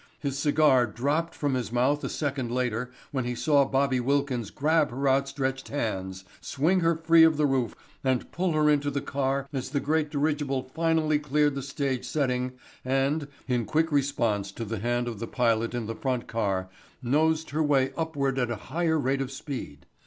His cigar dropped from his mouth a second later when he saw Bobby Wilkins grab her outstretched hands, swing her free of the roof and pull her into the car as the great dirigible finally cleared the stage setting and, in quick response to the hand of the pilot in the front car, nosed her way upward at a higher rate of speed.